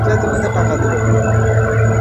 এইরূপে দ্রৌপদী পঞ্চভ্রাতার সাধারণ সহধর্মিণী হইলেন।